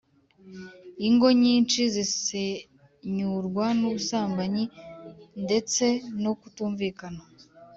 Ingo nyinshi zisenyurwa n’ubusambanyi ndetse no kutumvikana